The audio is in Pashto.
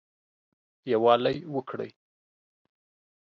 يووالى وکړٸ